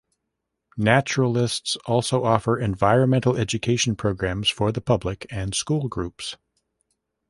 Naturalists also offer environmental education programs for the public and school groups.